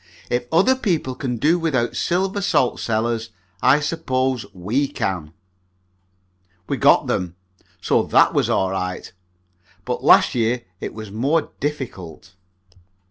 If other people can do without silver salt cellars, I suppose we can." Well, we got them; so that was all right. But last year it was more difficult.